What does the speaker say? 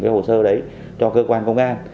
hồ sơ đấy cho cơ quan công an